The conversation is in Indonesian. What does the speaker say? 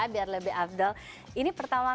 biar lebih afdal ini pertama